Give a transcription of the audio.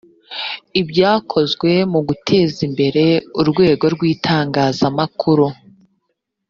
ibyakozwe mu guteza imbere urwego rw itangazamakuru